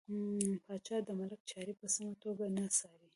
پاچا د ملک چارې په سمه توګه نه څاري .